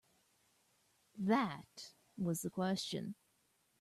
That was the question.